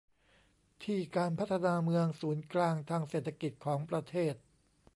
ที่การพัฒนาเมืองศูนย์กลางทางเศรษฐกิจของประเทศ